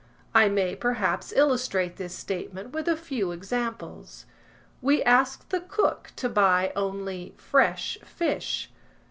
I may, perhaps, illustrate this statement with a few examples. We ask the cook to buy only 'fresh fish.'